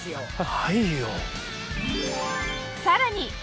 ないよ。